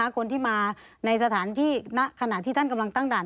คนที่มาในสถานที่ณขณะที่ท่านกำลังตั้งด่าน